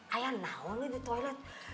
ayah nahulih di toilet